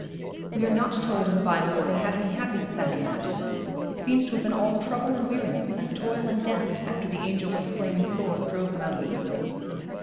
'We are not told in the Bible that they had any happiness after that. It seems to have been all trouble and weariness, and toil and death, after the angel with the flaming sword drove them out of Eden.'